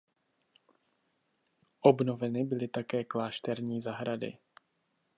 Obnoveny byly také klášterní zahrady.